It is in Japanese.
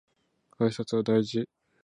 挨拶は大事